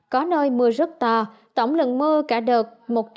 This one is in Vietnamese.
có nơi mưa rất to tổng lượng mưa cả đợt